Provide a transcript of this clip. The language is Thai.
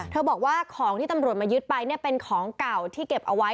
บอกว่าของที่ตำรวจมายึดไปเนี่ยเป็นของเก่าที่เก็บเอาไว้